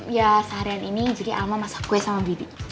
ya seharian ini jadi alma masak kue sama bidi